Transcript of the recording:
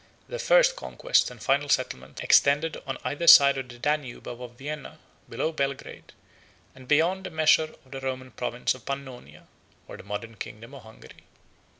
Their first conquests and final settlements extended on either side of the Danube above Vienna, below Belgrade, and beyond the measure of the Roman province of Pannonia, or the modern kingdom of Hungary.